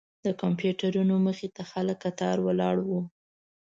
د کمپیوټرونو مخې ته خلک کتار ولاړ وو.